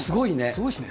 すごいっすね。